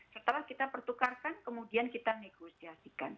setelah kita pertukarkan kemudian kita negosiasikan